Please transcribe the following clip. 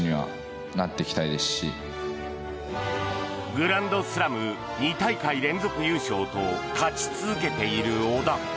グランドスラム２大会連続優勝と勝ち続けている小田。